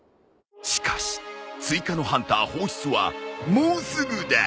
しかし追加のハンター放出はもうすぐだ。